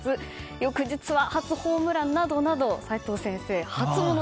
翌日は初ホームランなどなど齋藤先生初もの